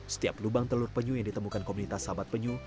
setiap lubang telur penyu yang ditemukan komunitas sahabat penyu